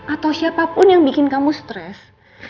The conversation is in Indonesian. atau siapapun yang bikin kamu stres